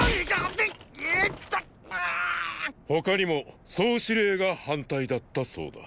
他にも総司令が反対だったそうだ。